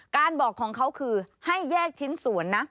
บอกของเขาคือให้แยกชิ้นส่วนนะ